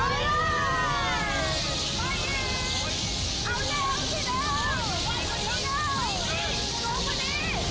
ได้แล้วค่ะ